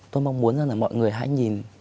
tôi mong muốn mọi người hãy nhìn